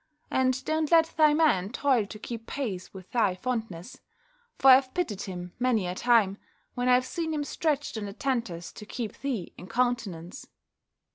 And don't let thy man toil to keep pace with thy fondness; for I have pitied him many a time, when I have seen him stretched on the tenters to keep thee in countenance."